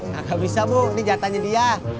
gak bisa bu ini jatahnya dia